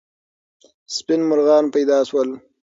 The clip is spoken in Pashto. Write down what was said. سپین مرغان پیدا سول.